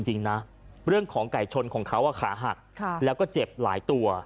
จริงนะเรื่องของไก่ชนของเขาขาหักแล้วก็เจ็บหลายตัว